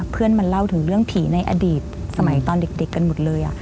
เพื่อนมันเล่าถึงเรื่องผีในอดีตสมัยตอนเด็กกันหมดเลย